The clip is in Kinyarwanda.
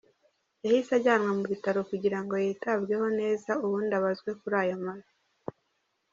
yahise ajyanwa mu bitaro kugira ngo yitabweho neza ubundi abazwe kuri aya mabi.